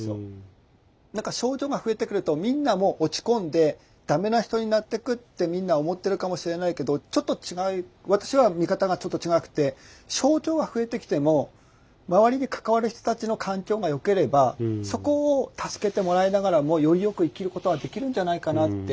何か症状が増えてくるとみんなもう落ち込んで駄目な人になっていくってみんな思ってるかもしれないけど私は見方がちょっと違くて症状が増えてきても周りで関わる人たちの環境がよければそこを助けてもらいながらもよりよく生きることはできるんじゃないかなって。